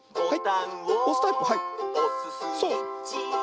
はい！